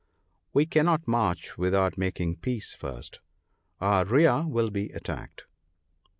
" We cannot march without making peace first ; our rear will be attacked.'